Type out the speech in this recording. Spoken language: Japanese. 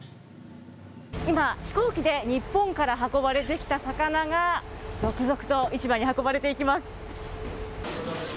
今、飛行機で日本から運ばれてきた魚が、続々と市場に運ばれていきます。